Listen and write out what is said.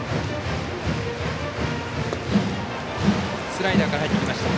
スライダーから入ってきました。